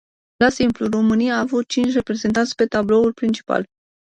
La simplu, România a avut cinci reprezentanți pe tabloul principal.